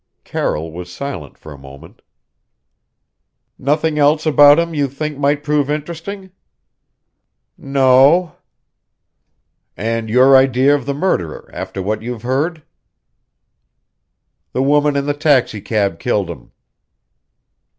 Carroll was silent for a moment. "Nothing else about him you think might prove interesting?" "No o." "And your idea of the murderer, after what you've heard?" "The woman in the taxicab killed him."